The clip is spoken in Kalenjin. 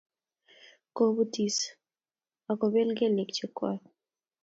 ko butis ak kobel keliek chechwak